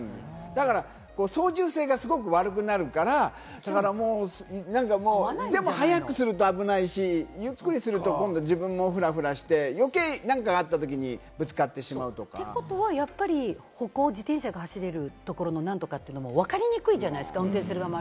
だから操縦性がすごく悪くなるから、でも速くすると危ないし、ゆっくりすると自分もフラフラして余計、何かあったときにぶつかってしまうとか。ということは歩行自転車が走るところの何とかというのもわからないじゃないですか。